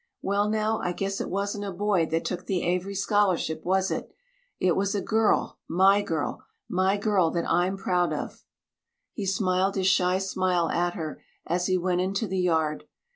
Well now, I guess it wasn't a boy that took the Avery scholarship, was it? It was a girl my girl my girl that I'm proud of." He smiled his shy smile at her as he went into the yard.